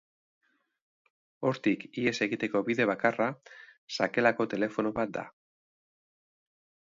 Hortik ihes egiteko bide bakarra sakelako telefono bat da.